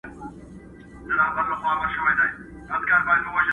زما وجود مي خپل جانان ته نظرانه دی،